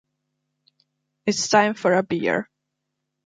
It's time for a beer.